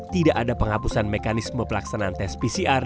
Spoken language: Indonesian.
tidak ada penghapusan mekanisme pelaksanaan tes pcr